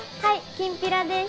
きんぴらです！